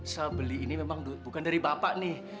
saya beli ini memang bukan dari bapak nih